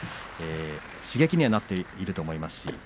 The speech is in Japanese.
刺激にはなっていると思います。